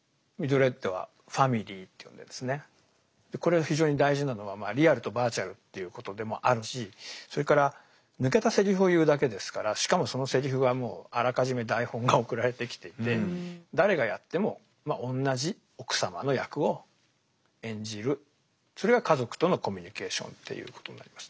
これは非常に大事なのはリアルとバーチャルということでもあるしそれから抜けたセリフを言うだけですからしかもそのセリフはもうあらかじめ台本が送られてきていて誰がやってもまあ同じ奥様の役を演じるそれが「家族」とのコミュニケーションということになります。